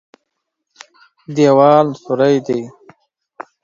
دېوال سوری دی.